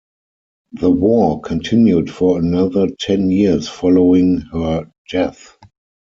The war continued for another ten years following her death.